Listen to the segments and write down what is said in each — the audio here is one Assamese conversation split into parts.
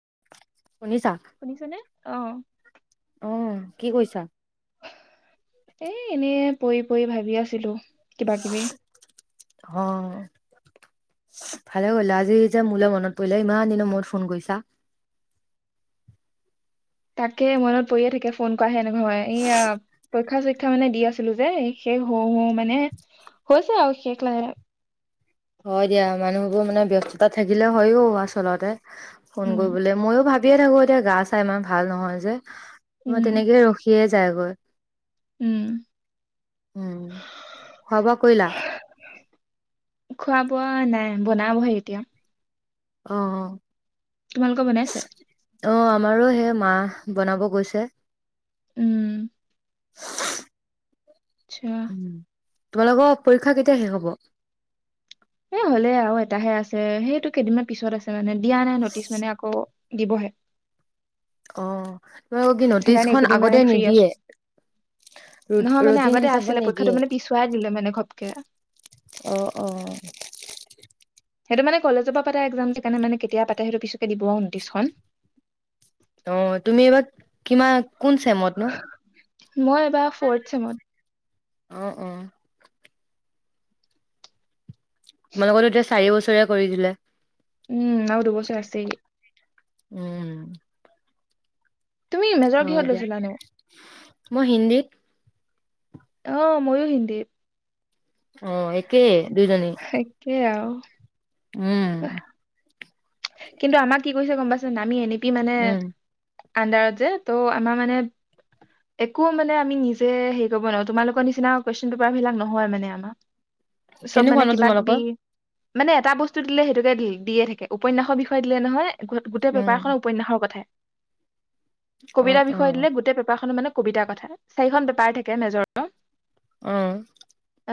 [unintelligible] শুনিছা আহ অ কি কৰিছা? এ এনেই পৰি পৰি ভাবি আছিলো। কিবা কিবি অ ভালে কৰিলা, আজি যে মোলৈ মনত পৰিলে ইমান দিনৰ মূৰত ফোন কৰিছা। তাকে মনত পৰিয়ে থাকে ফোন ফোন কৰা হে নহেয় এয়া পৰীক্ষা চৈক্ষা মানে দি আছিলো যে, শেষ হওঁ হওঁ মানে হৈছে আৰু শেষ লাগে হয় দিয়া মানুহবোৰ মানে ব্যস্ততা থাকিলে হৈও আচলতে ফোন উম, কৰিবলৈ মইয়ো ভাবোঁ বিয়ে থাকো এতিয়া গা চা ইমান ভাল নহয় যে মই উম, তেনেকে ৰখিয়েই যাগৈ উম, উম, খোৱা বোৱা কৰিলা? পোৱা নাই বনাবহে এতিয়া অ অ তোমালোকৰ বনাইছে? অ আমাৰো হে মা বনাব গৈছে উম [unintelligible] আ্ছা উম, তোমালোকৰ পৰীক্ষা কেতিয়া শেষ হ'ব এ হ'লে আৰু এটাহে আছে সেইটো কেইদিনমান পিছত আছে মানে দিয়া নাই ন'টিছ মানে আকৌ দিবহে অ ত কি সেইকাৰণে নটিচখন কি এইকেইদিন মানে আগতে ফ্ৰী আছো নিদিয়ে? নহয় মানে ৰুটিন আগতে হিচাপত আছিলে পৰীক্ষাটো নিদিয়ে? মানে পিছুৱাই দিলে মানে ঘপকে অ অ সেইটো মানে কলেজৰ পৰা পাতা একজাম সেকাৰণে মানে কেতিয়া পাতে সেইটো পিছকে দিব নটিচখন অ তুমি এইবাৰ কিমান কোন চেমত নো মই এবাৰ ফৰ্থ চেমত অ অ তোমালোকৰো এতিয়া চাৰি বছৰ কৰি দিলে উম ন দুবছৰ আছেই উম তুমি হ মেজৰ কিহত দিয়া লৈছিলানো মই হিন্দীত অ ময়ো হিন্দী অ একে একেইে আৰু [inaudible] উম কিন্তু আমাক কি কৈছে গম পাইচেনাই আমি এনে বি মানে উম। আনডাৰত যে ত' আমাৰ মানে একো মানে আমি নিজে হেৰি কৰিবব নোৱাৰো তোমালোকৰ নিচিনা কুৱেশন পেপাৰ বিলাক নহয় মানে আমাৰ চব মানে কেনেুকোৱো ন কিবা কিবি তোমালোকৰ মানে এটা বস্তু দিলে সেইটোকে দিয়ে থাকে উপন্যাসৰ বিষয় দিলে নহয় গোটেই উম, পেপাৰ খনে উপন্যাসৰ কথা অ', কবিতাৰ বিষয় অ', দিলে গোটেই পেপাৰ খন মানে কবিতাৰ কথা চাৰিখন বেপাৰ থাকে মেজৰৰ ওহ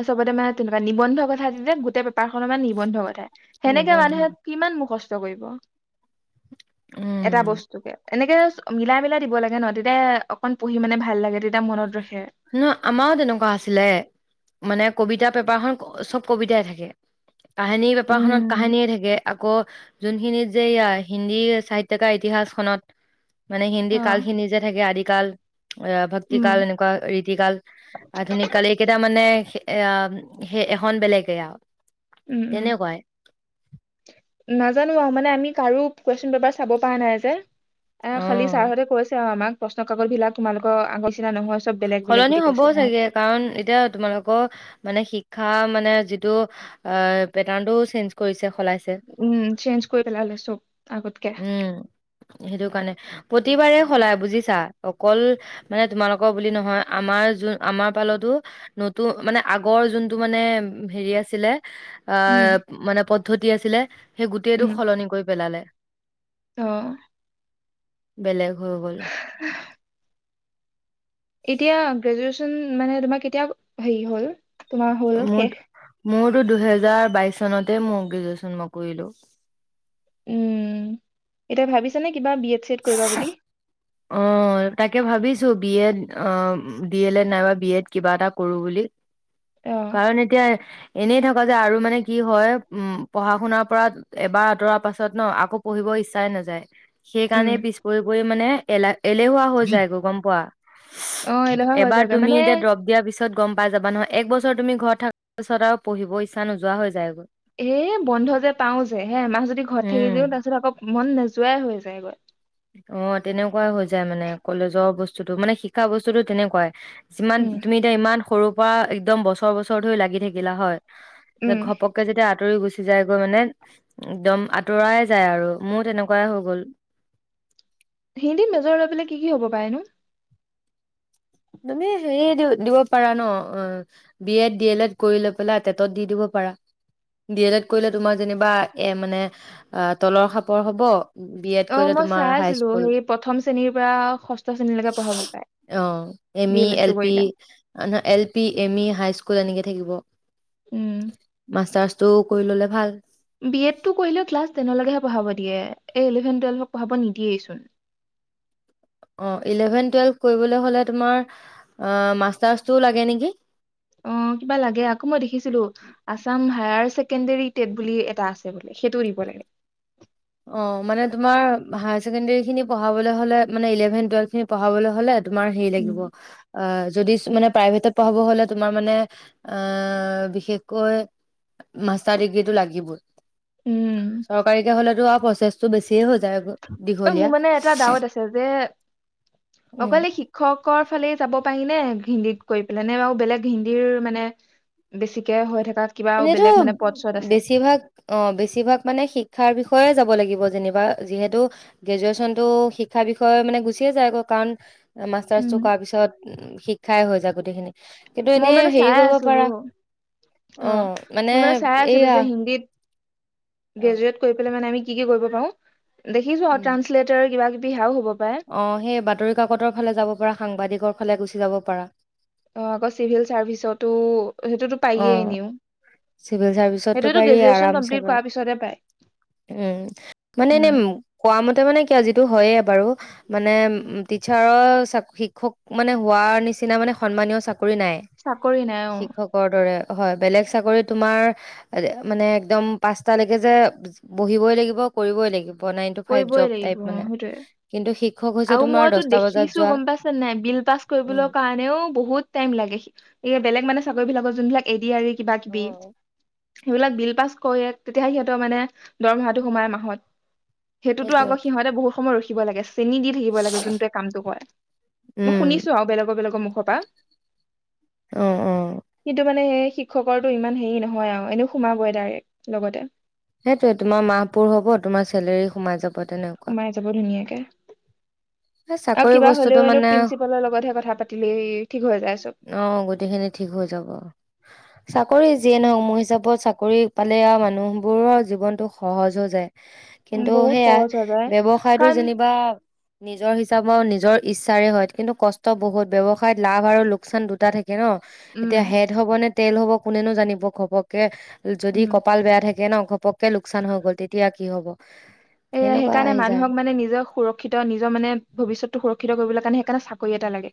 চবতে মানে তেনেকুৱা নিবন্ধ কথা যে গোট [unintelligible] নিবন্ধ কথাাই সেনেকে নিবন্ধ, মানুহে কিমান মোখ কষ্ট কৰিব উম। এটা বস্তু কে এনেকে মিলাই মিলাই দিব লাগে ন তেতিয়া অকণ পঢ়ি মানে ভাল লাগে তেতিয়া মনত ৰখে ন আমাৰও তেনেকুৱা আছিলে মানে কবিতা পেপাৰখন চব কবিতাই থাকে কাহিনীৰ পেপাৰখনত উম কাহিনী য়ে থাকে। আকৌ যোনখিনিত যে হিন্দী সাহিত্যকা ইতিহাস খনন মানে হিন্দী অ কাল খিনি যে থাকে আদি কাল। অ ভক্তি উম কাল এনেকুৱা। কাল আধুনিক কাল এইকেইটা মান। মানে এ সেই এখন, বেলেগে আৰু। উম উম তেনেকুৱাই ন। জানো মানে আমি কাৰো, কোৱেচন পেপাৰ চাব পৰা নাই যে। এ অ খালি ছাৰহঁতে কৈছে আৰু আমাক। প্ৰশ্ন কাগত বিলাক তোমালোকৰ আগৰ। নিচিনা নহয় চব বেলেগ বেলেগ সলনি বুলি হ'ব কৈছে চাগে, কাৰণ এতিয়া তোমালোকৰ মানে শ শিক্ষা মানে যিটো, অ পেটাৰ্ণ টোও চেঞ্জ কৰিছে। সলাইছে উম চেঞ্জ কৰি পেললে চব আগত। উম, সেইটো কাৰণে প্ৰতিবাৰেই সলায় বুজিছা। অকল মানে তোমালোকৰ বুলি নহয়, আমাৰ যোন আমাৰ পালতো নতুন মানে আগৰ যোনটো মানে হেৰি আছিলে? উম অ' মানে? পদ্ধতি আছিলে। সেই গোটেইটো উম সলনি কৰি পেলালে। অ', বেলেগ। হয় গল। এতিয়া গ্ৰেজুৱেশচন। মানে তোমাৰ কেতিয়া হেৰি হল? তোমাৰ হল মোৰ শেষ। মোৰতো দুহেজাৰ বাইশ চনতে মই গ্ৰেজুৱেশচন মই কৰিলো। উম, এতিয়া ভাবিছা নেকি। কিবা বি এড চি এত কৰিবা বুলি। অ' তাকে ভাবিছো B Ed D El Ed নাইবা বি এড কিবা এটা কৰো বুলি। অ কাৰণ এতিয়া। এনেই থকা যে, আৰু মানে কি হয় উম পঢ়া শুনাৰ পৰা এবাৰ আঁতৰাৰ পাছত ন, আকৌ পঢ়িব ইচ্ছাই নাযায়। সেইকাৰণে উম পিছ পৰি-পৰি মানে। [unintelligible] এলেহুৱা হৈ যায় গ গম পোৱা অ এলেহুৱা হৈ এবাৰ যাওঁগে তুমি মানে এতিয়া দ্ৰব দিয়াৰ পিছত গম পাই যাবা নহয়। এক বছৰ। পাছ তুমি ঘৰত থকাৰ পিছত আৰু পঢিব ইচ্ছা নযোৱা হৈ যায়গৈ। এ বন্ধ যে পাও যে এমাহ যদি ঘৰত থাকি উম দিওঁ তাৰ পিছত আকৌ। মন নোযোৱাই হৈ যায়গৈ। অ' তেনেকুৱাই হৈ যায় মানে কলেজৰ বস্তুতটো মানে শিক্ষা বস্তুতটো তেনেকুৱাই। যিমান উম তুমি এতিয়া ইমান সৰু পৰা একদম বছৰ-বছৰ ধৰি লাগি থাকিলা হয়। যে উম ঘপককে যেতিয়া আঁতৰি গৈছে সিজাই গৈ মানে একদম আঁতৰাই যায় আৰু মোৰ তেনেকুৱাই হৈ গ'ল। হিন্দীত নজৰ লৈ পেলাই কি-কি হ'ব পাৰেনো? তুমি হেৰি দি দিব পাৰা ন, B Ed D El Ed কৰি লৈ পেলাই টেটত দি দিব পাৰা ডি এল এড কৰিলে তোমাৰ যেনিবা এ মানে তলৰ সাপৰ হব। বি এড অ' কৰিলে মই তোমাৰ চাই হাই আছিলো স্কুল সেই প্ৰথম শ্ৰেণীৰ পৰা ষষ্ঠ শ্ৰেণীলৈকে পঢ়াব পাৰে। অ এম ডি ই এডটো এল পি কৰিলে অ L P M E. High school এনেকে থাকিব। উম মাষ্টাৰছ। ত কৰি ললে ভাল। বি এডটো কৰিলে ক্লাছ টেনলৈকেহে পঢ়াব দিয়ে এই ইলেভেন টুৱেলভক পঢ়াব নিদিয়েইচোন। অ ইলেভেন টোৱেলভ কৰিবলে হলে তোমাৰ মাষ্টাৰছটো লাগে নেকি। অ কিবা লাগে আকৌ মই দেখিছিলো আছাম। হায়াৰ ছেকেণ্ডেৰী টেট বুলি এটা আছে বোলে সেইটো দিব লাগে। অ', মানে তোমাৰ হায়াৰ ছেকেণ্ডাৰী খিনি পঢ়াবলৈ হলে মানে ইলেভেন টুৱেলভ খিনি পঢ়াবলৈ হ'লে। তোমাৰ হেৰি লাগিব উম অ। যদি মানে প্ৰাইভেটত পঢ়াব হলে তোমাৰ মানে অ বিশেষকৈ মাষ্টাৰ ডিগ্ৰীটো লাগিবই। উম, চৰকাৰীকে হ'লে। প্ৰচেছটো বেছি হৈ। অ মোৰ দীঘলীয়া মানে এটা ডাউত আছে যে উম, অকলে শিক্ষকৰ ফালে। চাব পাৰি নে হিন্দী কৰি পেলায় নে আৰু বেলেগ হিন্দীৰ মানে বেছিকে হৈ থাকে। এনেতো বেছিভাগ অ বেছিভাগ মানে শিক্ষাৰ বিষয়ে যাব লাগিব যেনিবা। যিহেতু গ্ৰেজুৱেশ্যনতটো শিক্ষাৰ বিষয়ে মানে গুচিয়ে যায় কাৰণ। মাষ্টাৰছটো কৰাৰ পিছত। খাই হৈ যায় গোটেইখিনি। কিন্তু মই এনেই মানে হেৰি চাই কৰিব আছিলো পাৰা। অ মই মানে চাই আছিলো এইয়া যে হিন্দীত। অ', গ্ৰেজুৱেট কৰি পেলাই মানে আমি। কি কি কৰিব পাৰো। দেখিছো উম, ট্ৰানসলেটৰ কিবা কিবি। বিহাও হ'ব। পাৰে অ সেই বাতৰি কাকতৰ ফালে যাব পাৰা সাংবাদিকৰ। ফালে গুচি যাব পাৰা। অ আকৌ চিভিল চাৰ্ভিচতো। সেইটোতো অ পায়েই এনেও চিভিল চাৰ্ভিচতটো সেইটোৱেতো পাৰি গ্ৰেজুৱেচন আৰামছে কমপ্লিট পাৰি কৰাৰ পিছতহে পায়। উম মানে উম, এনে কোৱা মতে মানে কি আৱ যিটো। হয়ে বাৰু মানে টিচাৰৰ শিক্ষক মানে হোৱাৰ নিচিনা মানে সন্মানীয় চাকৰি। নাই। চাকৰি নাই অ শিক্ষকৰ হয় বেলেগ চাকৰি তোমাৰ মানে একদম পাঁচটালৈকে যে বহিবই লাগিব কৰিবই লাগিব। নাইন টো ফাইভ কৰিবই জব লাগিব তাইপ অ মানে সেইটোয়ে কিন্তু। শিক্ষক হৈছে আৰু তোমাৰ মইতো দহটা বজাত দেখিছো যোৱা, গম পাইছে নাই বিল পাছ উম। কৰিবলৈ কাৰণেও বহুত টাইম লাগে এ বেলেগ মানে। চাকৰি বিলাকৰ যোনবিলাক এ ডি আৰ ই। কিবা কিবি। অ', সেইবিলাক বিল পাছ কৰে তেতিয়াহে সিহঁতৰ মানে দৰমহাটো সোমায় মাহত। সেইটোতো সেইটোৱে আকৌ সিহঁতে বহুত সময় ৰখি। শিকিব লাগে। চেনি দি থাকিব লাগে যোনটোৱে কামটো কৰে মই উম, শুনিছো আৰু বেলেগৰ বেলেগৰ মুখ। হবা অ', অ'। কিন্তু মানে সে। শিক্ষকৰটো ইমান হেৰি নহয় আৰু এনেও সোমাবই ডাইৰেক্ট লগতে। সেইটোৱে তোমাৰ মাহপুৰ হব তোমাৰ চেলাৰী সোমাই যাব। তেনেকুৱা। সোমাই যাব ধুনীয়াক। এহ এই আৰু চাকৰি কিবা বস্তুটো হলেও এনো মানে প্ৰিন্ঞ্চিপালৰ লগতহে কথা পাতিলেই। ঠিক হৈ যায় চব অ গোটেইখিনি ঠিক হৈ যাব। চাকৰি যিয়ে নহওক মোৰ হিচাপত চাকৰি পালে আৰু মানুহবোৰৰ জীৱনতো সহজ হৈ যায়। উম, কিন্তু বহুত সেয়াই সহজ হৈ যায় ব্যৱসায়টো কাৰণ যেনিবা। নিজৰ হিচাপে নিজৰ ইচ্ছাৰে হয় কিন্তু কষ্ট বহুত ব্যৱসায়ত লাভ আৰু লোক। লোকচান দুটা থাকে। তাকে ন উম এতিয়া হেড হব নে। তেল হ'ব কোনেনো জানিব ঘপকে। যদি উম কপাল বেয়া থাকে। কেনেক ঘপক। কে লোকচান হৈ গ'ল তেতিয়া। কি হ'ব। এ সেনেকুৱা সেইকাৰণে আহি যায় মানুহক মানে নিজক সুৰক্ষিত নিজৰ মানে ভৱিষ্যতটো সুৰক্ষিত। সেইটো কৰিব কাৰণে সেইকাৰণে চাকৰি এটা লাগে।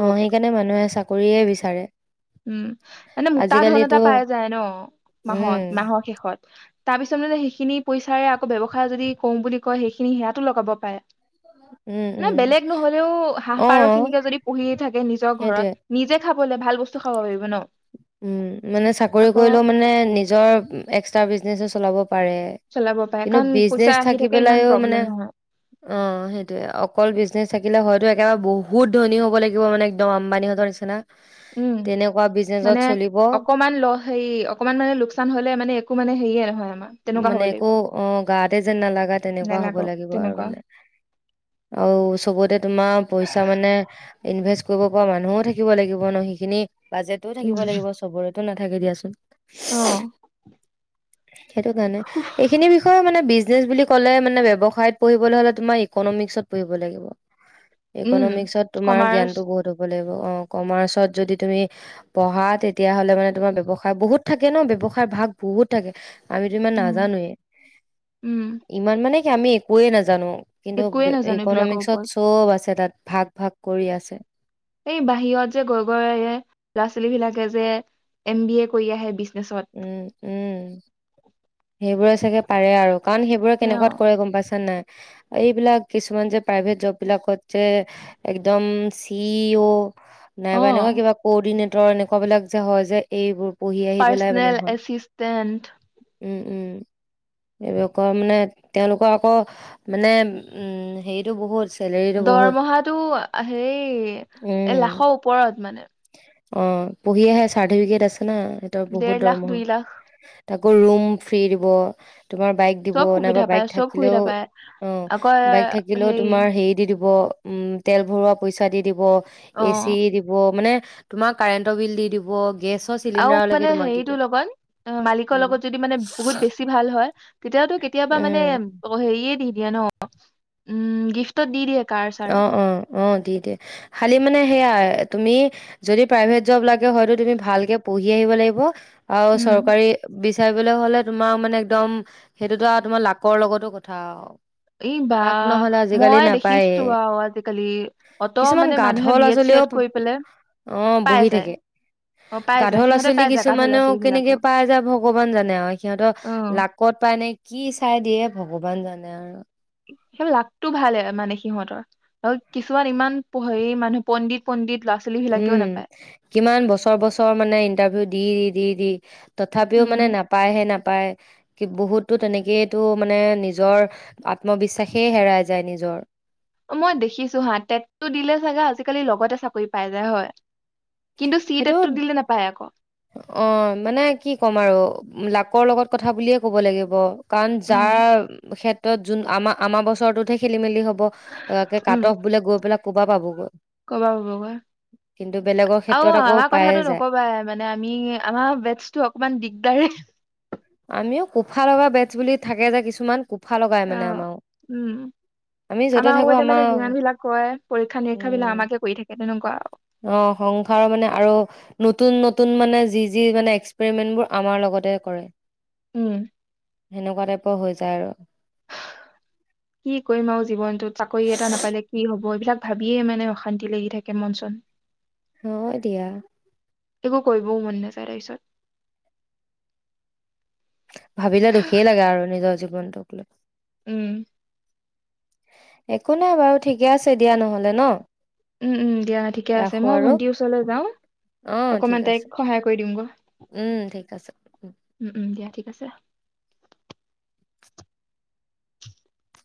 অ সেইকাৰণে মানুহে চাকৰিয়ে বিচাৰে উম মানে মোটা ধন আজিকালিতো এটা পাই যায় ন মাহত উম মাহৰ শেষত। তাৰ পিছত মানে সেইখিনি পইচাৰে আকৌ ব্যৱসায় যদি। কম বুলি কয় সেইখিনি সেয়াতো লগাব পাৰে। উম ন উম বেলেগ নহলেও হাঁহ অ পাৰ খিনিকে যদি পুহিয়ে থাকে নিজৰ সেইটোৱে ঘৰত নিজে। খাবলৈ ভাল বস্তু খাব পাৰিব ন। উম মানে চাকৰি আকৌ কৰিলেও মানে নিজৰ একস্তা বিজনেছও চলাব। পাৰে চলাব পাৰে কিন্তু কাৰণ পইচা বিজনছ আহি থাকি থাকে পেলাই ইমান মানে প্ৰব্লেম নহয় অ সেইটোৱে অকল বিজনেছ থাকিলে হয়তো। একেবাৰে বহুত ধনী হ'ব লাগিব মানে একদম আম্বানীহঁতৰ নিচিনা। উম তেনেকুৱা বিজনেচত মানে চলিব অকমান ল হেৰি অকমান মানে লোকচান হলে মানে একো মানে কৰিয়ে হয় মানে একো অ গাতে যেন নালাগা তেনেকুৱা হ'ব নেলাগক লাগিব আৰু তেনেকুৱা মানে আৰু চবতে তোমাৰ পইচা মানে ইনভেষ্ট কৰিব পৰা মানুহো থাকিব লাগিব ন সেইখিনি বাজেতটোও উম থাকিব লাগিব চবৰে নাথাকে দিয়াচোন অ সেইটো কাৰণে এইখিনি বিষয়ে মানে বিজ বিকনেজ বুলি কলে মানে ব্যৱসায়ত পঢ়িব হলে মানে তুমি ইকোনমিক পঢ়িব লাগিব উম ইকনমিক্সত তোমাৰ কমাৰ্চ জ্ঞানটো বহুত হব লাগিব অ কমাৰ্চত যদি তুমি পঢ়া তেতিয়া হ'লে মানে তোমাৰ ব্যৱসায় বহুত থাকে ব্যৱসায় ভাগ বহুত থাকে আমিতো ইমান উম নাজানোৱে, উম ইমান মানে আমি একোৱে নাজানো কিন্তু একোৱে নাজানো এইবিলাকৰ ইকনমিক্সত ওপৰত চব আছে তাত ভাগ ভাগ কৰি আছে এই বাহিৰত যে গৈ গৈ ল'ৰা ছোৱালী বিলাকে যে এম বি এ কৰি আহে বি উম উম সেইবোৰে চাগে পাৰে আৰু কাৰণ সেইবোৰে কেনেকুৱাত কৰে গম পাইছে নাই এইবিলাক কিছুমান যে প্ৰাইভেট জব বিলাকত যে একদম চি ই অ' অ নাইবা এনেকুৱা কিবা কদিনেটৰ তএনেকুৱা বিলাক যে হয় যে এইবোৰ পঢ়ি আহি পেলাই মানে পাৰ্চনেল হয়। এচিছটেণ্ট উম উম এইবিলাকৰ মানে তেওঁলোকৰ আকৌ মানে উম হেৰিতটো বহুত চেলেৰিটো বহুত দৰমহাটো হেই এ উম, লাখৰ ওপৰত মানে। অ পঢ়ি আহে চাৰ্টিফিকেট আছে না এহতৰ বহুত দেৰ লাখ দৰমহা দুই লাখ তাক আকৌ ৰুম ফ্ৰী দিব তোমাৰ বাইক দিব চব সুবিধা নাইবা পায় বাইক চব সুবিধা থাকিলেও পায় অ আকৌ বাইক থাকিলেও তোমাৰ হেৰি দি দিব উম তেল ভৰোৱা পইচা দি দিব অ এ চি দিব মানে তোমাৰ কাৰেণ্টৰ বিল দি দিব গেছৰ আৰু চিলিণ্ডাৰলৈকে মানে তোমাক দি হেৰিতটো দিয়ে লগত মালিকৰ উম লগত যদি মানে বহুত বেছি ভাল হয় তেতিয়াওটো কেতিয়াবা মানে উম অ হেৰিয়ে দি দিয়া ন উম গিফ্টত দি দিয়ে কাৰ চাৰ অ অ অ দি দিয়ে খালি মানে সেয়া তুমি যদি প্ৰাইভেট জৱ লাগে হয়তো তুমি ভালকে পঢ়ি আহিব লাগিব। আৰু উম চৰকাৰী বিচাৰিবলৈ হলে তোমাৰ মানে একদম সেইটোতো আৰু তোমাৰ লাকৰ লগতো কথা আৰু এই বা লাক নহলে আজিকালি মই দেখিছো নাপায়ে আৰু আজিকালি অত কিছুমান মানে মানুহে গাধৰ বি ল'ৰা এড চি ছোৱালীও এড কৰি পেলাই অ পাই বহি যায় থাকে অ পাই যায় গাধৰ লৰা সিহঁতে ছোৱালী পাই যায় গাধ ল'ৰা কিছুমানেও ছোৱালী কেনেকে বিলাকেও পাই যায় ভগৱান জানে আৰু সিহঁতৰ অ লাকত পায় নে কি চাই দিয়ে ভগৱান জানে আৰু সেই লাকতটো ভালে মানে সিহঁতৰ আৰু কিছুমান ইমান হেৰি মানুহ পণ্ডিত পণ্ডিত ল'ৰা ছোৱালী বিলাকেও উম নাপায় কিমান বছৰ বছৰ মানে ইন্টাৰভিউ দি দি দি তথাপিও উম মানে নাপায়হে নাপ পায় কি বহুতো তেনেকেইো মানে নিজৰ আত্মবিশ্বাসেই হেৰাই যায় নিজৰ মই দেখিছো হা তেটটটো দিলে চাগে আজিকালি লগতে চাকৰি পাই যায় হয় কিন্তু চি সেইটো টেটটো দিলে নাপায় আকৌ অ মানে কি ক'ম আৰু লাক কৰ লগত কথা বুলিয়ে ক'ব লাগিব কাৰণ উম যাৰ হেড ত যোন আমাৰ আমাৰ বছৰৰতোতহে খেলি মেলি হ'ব কাট অফ বোলে গৈ পেলাই ক'বা পাবগৈ কৰা পৰা পাব কিন্তু বেলেগৰ ক অ ক্ষেত্ৰত আকৌ আমাৰ পায়ে কথাাতটো যায় নকবাই মানে আমি আমাৰ বেটছটো অকমান দিগদাৰ আমিও কোফা লগা বেচ বুলি থাকে যে কিছুমান ক কুফা লগাই অ মানে আমাৰ উম আমি যতে থাকো আগতে মানে আমাৰ যিমান বিলাক কয় পৰীক্ষা নিৰীক্ষা বিলাক উম আমাকে কৰি থাকে তেনেকুৱা আৰু। অ সংসাৰৰ মানে আৰু নতুন নতুন নতুন মানে যি যি মানে এক্সপেৰিমেন্টবোৰ আমাৰ লগতে কৰে উম সেনেকুৱাতে হৈ যায় আৰু কি কৰিম আৰু জীৱনতটো চাকৰি এটা নাপালে কি হব এইবিলাক ভাবিয়ে মানে অশান্তি লাগি থাকে মন চন হয় দিয়া একো কৰিবও মন নাযায় তাৰপিছত ভাবিলে দুখেই লাগে আৰু নিজৰ জীৱন ন কলে উম একো নাই বাৰু ঠিকে আছে দিয়া নহলে ন উম উম দিয়া ঠিকে আছে ৰাখো মই আৰু ভণ্টিৰ ওচৰলৈ যাও অ ঠিক অকমান আছে তাইক সহায় কৰি দিম গ উম ঠিক আছে উম উম দিয়া ঠিক আছে [inaudible]